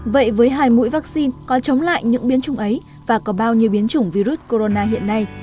vậy với hai mũi vaccine có chống lại những biến chứng ấy và có bao nhiêu biến chủng virus corona hiện nay